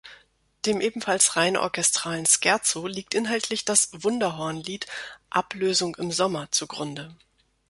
Dem ebenfalls rein orchestralen Scherzo liegt inhaltlich das "Wunderhorn-Lied" „Ablösung im Sommer“ zu Grunde.